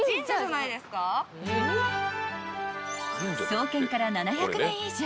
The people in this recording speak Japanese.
［創建から７００年以上］